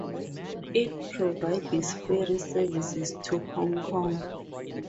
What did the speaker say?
It provides ferry services to Hong Kong.